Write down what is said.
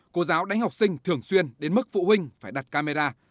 cô giáo đánh học sinh thường xuyên đến mức phụ huynh phải đặt camera